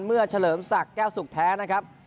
เมื่อเฉลิมสักแก้วสุขแท้นะครับ